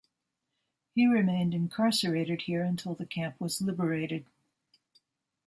He remained incarcerated here until the camp was liberated.